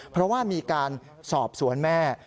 เพราะว่ามีการสอบสวนแม่